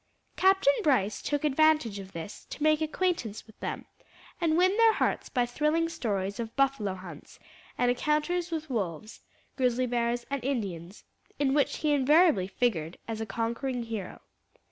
Captain Brice took advantage of this to make acquaintance with them, and win their hearts by thrilling stories of buffalo hunts and encounters with wolves, grizzly bears and Indians, in which he invariably figured as conquering hero.